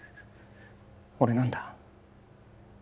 俺なんだ